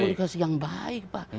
komunikasi yang baik pak